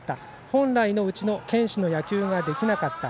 本来のうちの堅守の野球ができなかった。